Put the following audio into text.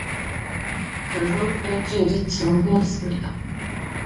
그 후, 일주일이 지난 후였습니다.